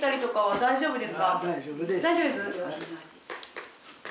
大丈夫です？